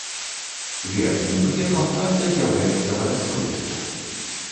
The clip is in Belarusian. Верхнім б'ефам часта з'яўляецца вадасховішча.